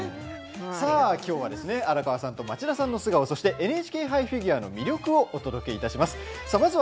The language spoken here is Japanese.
きょうは荒川さんと町田さんの素顔そして「ＮＨＫ杯フィギュア」の魅力をお届けします。